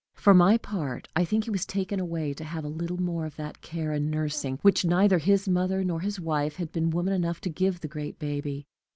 For my part, I think he was taken away to have a little more of that care and nursing which neither his mother nor his wife had been woman enough to give the great baby.